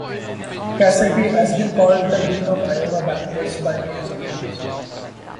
Casady has been called "the dean of Iowa bankers" by news accounts.